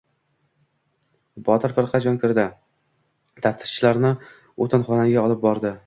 Botir firqaga jon kirdi. Taftishchilarni o‘tinxonaga olib bordi.